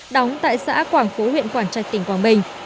đóng tại xã quảng phú huyện quảng trạch tỉnh quảng bình